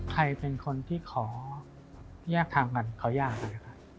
ใครเป็นคนที่ขอแยกทางกันขอยากกัน